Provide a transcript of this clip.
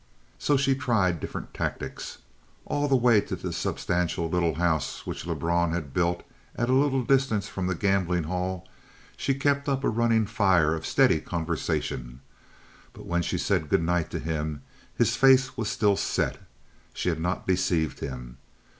So she tried different tactics. All the way to the substantial little house which Lebrun had built at a little distance from the gambling hall, she kept up a running fire of steady conversation. But when she said good night to him, his face was still set. She had not deceived him.